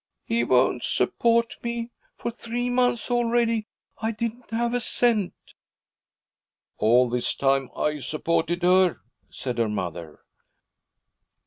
'He won't support me. For three months already I didn't have a cent.' 'All this time I supported her,' said her mother.